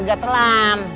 nggak gak terlang